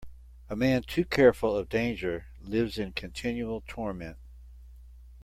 A man too careful of danger lives in continual torment.